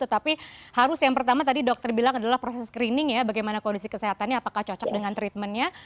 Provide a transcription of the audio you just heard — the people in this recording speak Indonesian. tetapi harus yang pertama tadi dokter bilang adalah proses screening ya bagaimana kondisi kesehatannya apakah cocok dengan treatmentnya